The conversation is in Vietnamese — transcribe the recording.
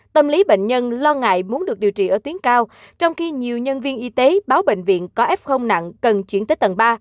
tâm lý bệnh nhân lo ngại muốn được điều trị ở tuyến cao trong khi nhiều nhân viên y tế báo bệnh viện có f nặng cần chuyển tới tầng ba